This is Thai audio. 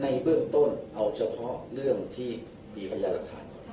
ในเบื้องต้นเอาเฉพาะเรื่องที่มีพยานหลักฐาน